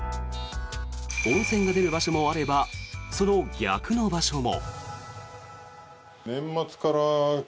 温泉が出る場所もあればその逆の場所も。